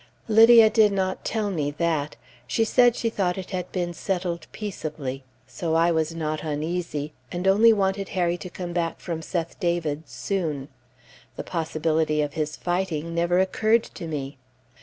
Lydia did not tell me that; she said she thought it had been settled peaceably, so I was not uneasy, and only wanted Harry to come back from Seth David's soon. The possibility of his fighting never occurred to me.